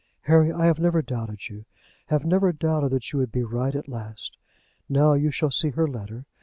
Harry, I have never doubted you; have never doubted that you would be right at last. Now you shall see her letter.